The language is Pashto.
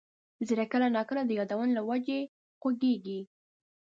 زړه کله نا کله د یادونو له وجې خوږېږي.